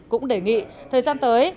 cũng đề nghị thời gian tới